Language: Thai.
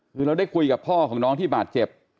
คือเราได้คุยกับพ่อของน้องที่บาดเจ็บ